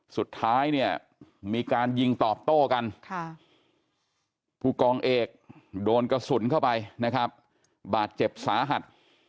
สุดท้ายเนี่ยมีการยิงตอบโต้กันผู้กองเอกโดนกระสุนเข้าไปนะครับบาดเจ็บสาหัส